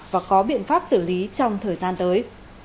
và có biện pháp xử lý trong thời gian tới